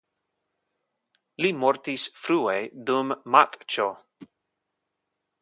Li mortis frue dum matĉo.